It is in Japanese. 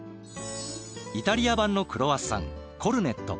イタリア版のクロワッサンコルネット。